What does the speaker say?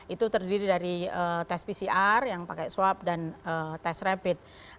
itu terdiri dari tes pcr yang pakai swab dan tes rapid